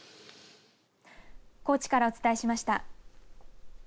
高知からお伝えしました。